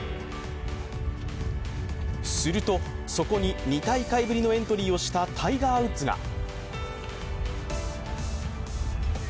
すると、そこに２大会ぶりのエントリーをしたタイガー・ウッズが。